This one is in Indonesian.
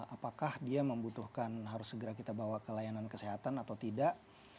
apakah dia membutuhkan harus segera kita bawa ke layanan kesehatan atau tidak